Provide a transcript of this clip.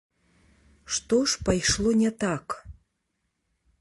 Што ж пайшло не так?